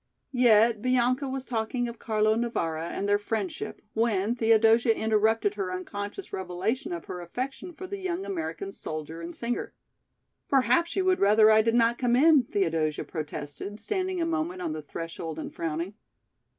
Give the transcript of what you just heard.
Yet Bianca was talking of Carlo Navara and their friendship when Theodosia interrupted her unconscious revelation of her affection for the young American soldier and singer. "Perhaps you would rather I did not come in," Theodosia protested, standing a moment on the threshold and frowning.